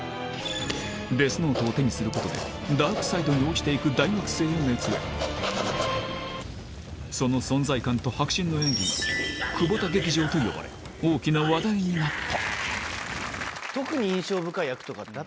デスノートを手にすることでダークサイドに落ちていく大学生を熱演その存在感と迫真の演技が「窪田劇場」と呼ばれ大きな話題になった特に印象深い役とかってあったりするの？